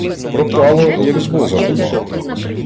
Пропало, як з воза впало.